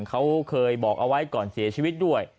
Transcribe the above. เขาเคยบอกเอาไว้ก่อนเสียชีวิตด้วย